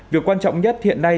việc quan trọng nhất hiện nay